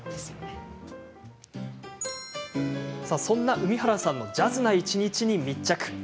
そんな海原さんのジャズな一日に密着。